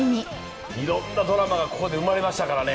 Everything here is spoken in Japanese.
いろんなドラマがここで生まれましたからね。